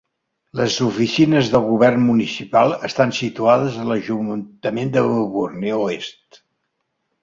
Les oficines del govern municipal estan situades a l'Ajuntament de Melbourne Oest.